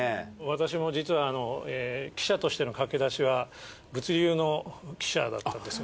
私も実は記者としての駆け出しは物流の記者だったんですよね。